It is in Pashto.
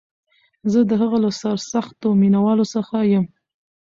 زه د هغه له سرسختو مینوالو څخه یم